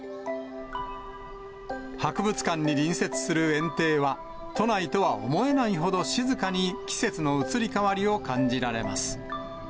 博物館に隣接する園庭は、都内とは思えないほど静かに季節の移り変わりを感じられます。